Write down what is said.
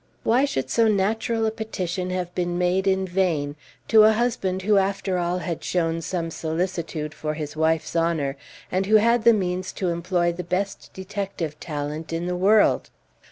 Why should so natural a petition have been made in vain, to a husband who after all had shown some solicitude for his wife's honor, and who had the means to employ the best detective talent in the world?